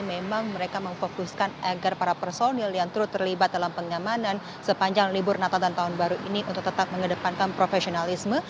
memang mereka memfokuskan agar para personil yang terus terlibat dalam pengamanan sepanjang libur natal dan tahun baru ini untuk tetap mengedepankan profesionalisme